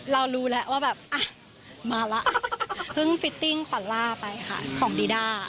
เรารู้แล้วว่าแบบอ่ะมาแล้วเพิ่งฟิตติ้งขวัญล่าไปค่ะของบีด้า